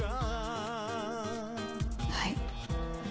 はい。